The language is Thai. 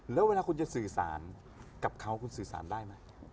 แล้วเวลาคุณจะสื่อสารกับเขาคุณสื่อสารได้ไหม